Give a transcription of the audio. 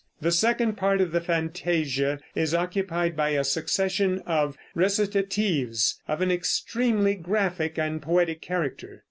The second part of the fantasia is occupied by a succession of recitatives of an extremely graphic and poetic character.